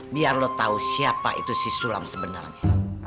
biar lo tau siapa itu si sulang sebenarnya